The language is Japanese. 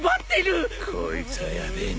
こいつはヤベえな。